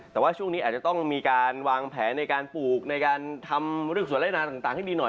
แต่ว่าช่วงนี้อาจจะต้องมีการวางแผนในการปลูกในการทำเรื่องสวนไล่นานต่างให้ดีหน่อย